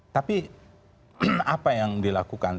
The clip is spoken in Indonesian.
tapi apa yang dilakukan